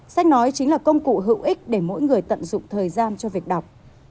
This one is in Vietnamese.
sách nói chính là công cụ hữu ích để mỗi người tận dụng thời gian cho việc đọc